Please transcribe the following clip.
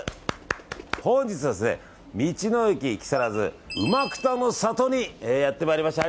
本日は道の駅木更津うまくたの里にやってまいりました。